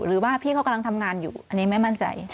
หรือว่าพี่เขากำลังทำงานอยู่อันนี้ไม่มั่นใจ